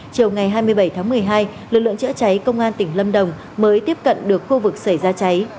chiều ngày hai mươi bảy tháng một mươi hai lực lượng chữa cháy công an tỉnh lâm đồng mới tiếp cận được khu vực xảy ra cháy